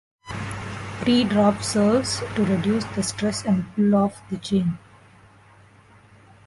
The pre-drop serves to reduce the stress and pull of the chain.